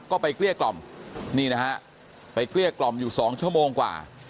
ก็ไปเกลี้ยกล่อมนี่นะฮะไปเกลี้ยกล่อมอยู่๒ชั่วโมงกว่า